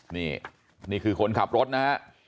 นี่คือคนขับรถนะครับ